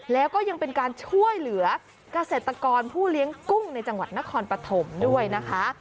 แล้วก็ยังเป็นการช่วยเหลือกเกษตรกรผู้เลี้ยงกุ้งในจังหวัดนครปฐมด้วยนะคะ